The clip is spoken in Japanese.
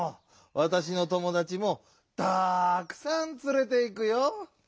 わたしのともだちもたくさんつれていくよ。